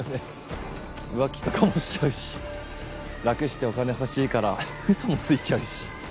浮気とかもしちゃうし楽してお金欲しいから嘘もついちゃうし。